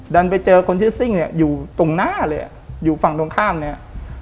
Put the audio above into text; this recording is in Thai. ดันไปเจอคนชื่อซิ่งเนี่ยอยู่ตรงหน้าเลยอ่ะอยู่ฝั่งตรงข้ามเนี่ย